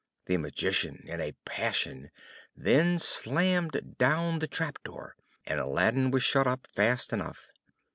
The Magician, in a passion, then slammed down the trap door, and Aladdin was shut up fast enough.